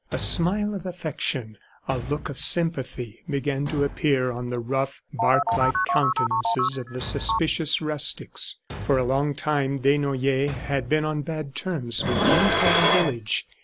A smile of affection, a look of sympathy began to appear on the rough, bark like countenances of the suspicious rustics. For a long time Desnoyers had been on bad terms with the entire village.